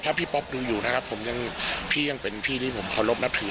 ถ้าพี่ป๊อปดูอยู่นะครับผมยังพี่ยังเป็นพี่ที่ผมเคารพนับถือ